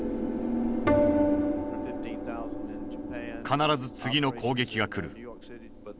必ず次の攻撃が来る。